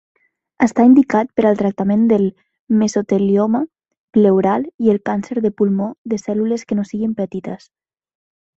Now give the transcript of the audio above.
Està indicat per al tractament del mesotelioma pleural i el càncer de pulmó de cèl·lules que no siguin petites.